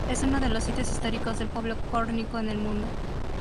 Es uno de sitios históricos del pueblo córnico en el mundo.